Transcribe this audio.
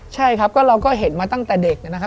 ใช่ครับก็เราก็เห็นมาตั้งแต่เด็กนะครับ